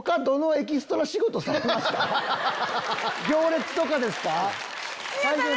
『行列』とかですか？